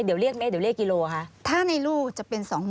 เดี๋ยวนะคะ